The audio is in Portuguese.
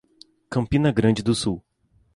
Campina Grande do Sul